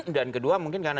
dan kedua mungkin karena